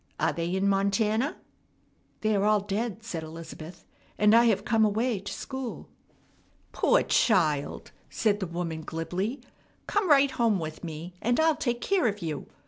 Are they in Montana?" "They are all dead," said Elizabeth, "and I have come away to school." "Poor child!" said the woman glibly. "Come right home with me, and I'll take care of you.